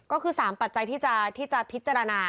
ก็คือ๓ปัจจัยที่จะพิจารณา